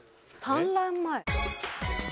「産卵前」。